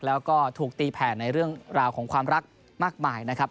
แล้วก็ถูกตีแผ่ในเรื่องราวของความรักมากมายนะครับ